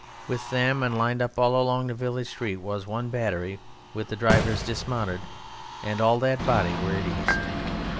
With them, and lined up all along the village street, was one battery, with the drivers dismounted, and all that body were at ease.